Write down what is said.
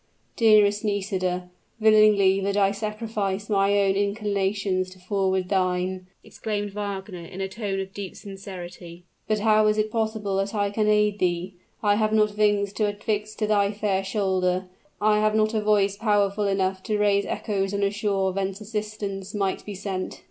"Dearest Nisida, willingly would I sacrifice my own inclinations to forward thine," exclaimed Wagner in a tone of deep sincerity; "but how is it possible that I can aid thee? I have not wings to affix to thy fair shoulder, I have not a voice powerful enough to raise echoes on a shore whence assistance might be sent.